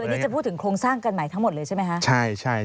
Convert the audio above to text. วันนี้จะพูดถึงโครงสร้างกันใหม่ทั้งหมดเลยใช่ไหมคะ